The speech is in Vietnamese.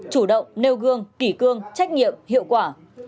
chủ động nêu gương kỷ cương trách nhiệm hiệu quả